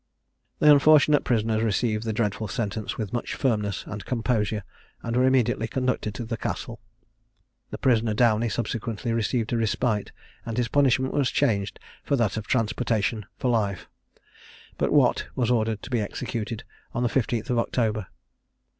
The unfortunate prisoners received the dreadful sentence with much firmness and composure, and were immediately conducted to the Castle. The prisoner Downie subsequently received a respite, and his punishment was changed for that of transportation for life; but Watt was ordered to be executed on the 15th of October.